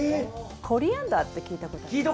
コリアンダーって聞いたことあります？